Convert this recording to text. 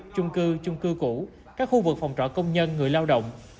trung cư trung cư cũ các khu vực phòng trọ công nhân người lao động